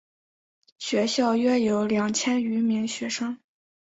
学校约有两千余名学生。